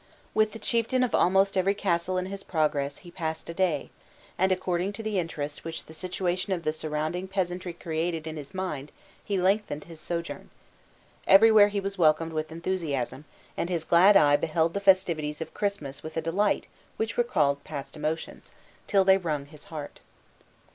With the chieftain of almost every castle in his progress he passed a day, and according to the interest which the situation of the surrounding peasantry created in his mind he lengthened his sojourn. Everywhere he was welcomed with enthusiasm, and his glad eye beheld the festivities of Christmas with a delight which recalled past emotions, till they wrung his heart.